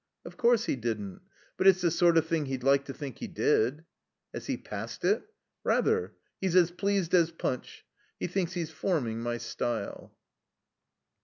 "Of course he didn't. 'But it's the sort of thing he'd like to think he did." "Has he passed it?" "Rather. He's as pleased as Punch. He thinks he's forming my style."